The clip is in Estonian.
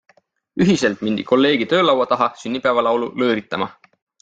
Ühiselt mindi kolleegi töölaua taha sünnipäevalaulu lõõritama.